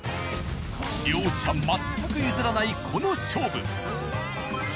両者全く譲らないこの勝負。